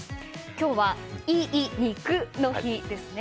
今日は、いい肉の日ですね。